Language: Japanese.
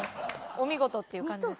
お見事っていう感じですね。